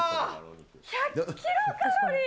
１００キロカロリー？